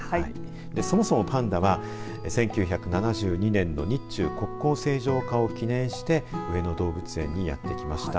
そもそもパンダは１９７２年の日中国交正常化を記念して上野動物園にやってきました。